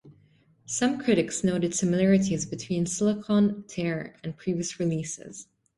Some critics noted similarities between "Silicon Tare" and previous releases.